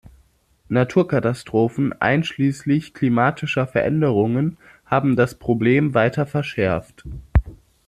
Naturkatastrophen einschließlich klimatischer Veränderungen haben das Problem weiter verschärft.